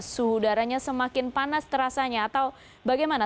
suhu udaranya semakin panas terasanya atau bagaimana